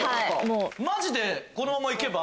マジでこのままいけば。